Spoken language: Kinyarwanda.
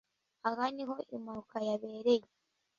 Aha niho impanuka yabereye.